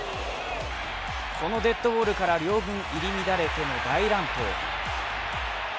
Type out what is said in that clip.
このデッドボールから両軍入り乱れての大乱闘。